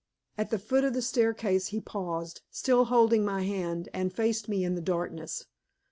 At the foot of the staircase he paused, still holding my hand, and faced me in the darkness.